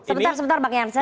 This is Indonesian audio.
sebentar sebentar bang yansen